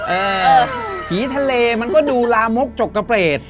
เออผีทะเลมันก็ดูลามกจกกระเปรต